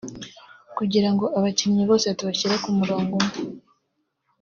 kugira ngo abakinnyi bose tubashyire ku murongo umwe